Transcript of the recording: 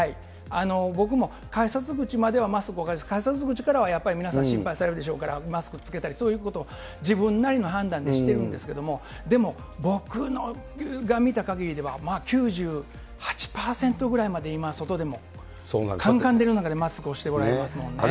僕も改札口まではマスクを外して、改札口からはやっぱり皆さん心配されるでしょうから、マスク着けたり、そういうことを自分なりの判断でしてるんですけれども、でも、僕が見たかぎりでは、９８％ぐらいまで今、外でも、かんかん照りの中でマスクをしておられますもんね。